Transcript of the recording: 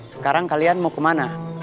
sekarang kalian mau ke mana